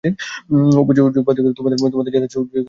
উপযোগবাদিগণ, তোমরা যাহাতে সুখে থাক, তাহা বেশ।